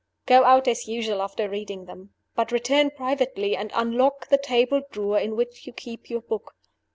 Go out as usual after reading them; but return privately, and unlock the table drawer in which you keep your book.